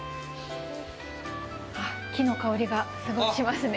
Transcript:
木の香りが、すごいしますね。